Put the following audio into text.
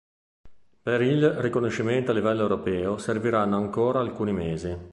Per il riconoscimento a livello europeo serviranno ancora alcuni mesi.